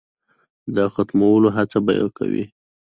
د ختمولو هڅه به یې کوي.